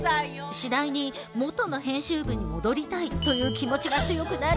次第にもとの編集部に戻りたいという気持ちが強くなり。